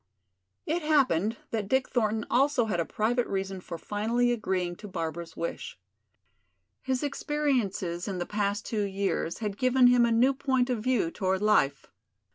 It happened that Dick Thornton also had a private reason for finally agreeing to Barbara's wish. His experiences in the past two years had given him a new point of view toward life.